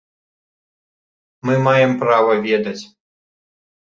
Мы маем права ведаць.